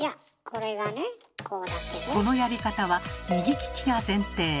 このやり方は右利きが前提。